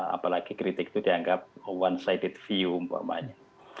apalagi kritik itu dianggap one sided view umpamanya